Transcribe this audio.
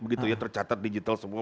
begitu ya tercatat digital semua